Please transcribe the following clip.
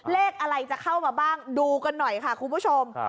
เลขอะไรจะเข้ามาบ้างดูกันหน่อยค่ะคุณผู้ชม